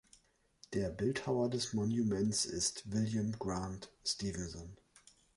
Der Bildhauer des Monuments ist William Grant Stevenson.